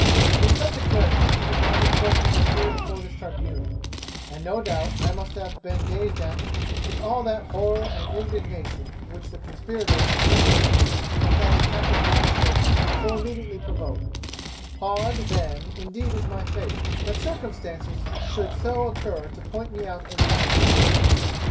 'In such a character it is my misfortune to appear before this tribunal, and no doubt I must have been gazed at with all that horror and indignation which the conspirators of such a mutiny as that in Captain Bligh's ship so immediately provoke; hard, then, indeed is my fate, that circumstances should so occur to point me out as one of them.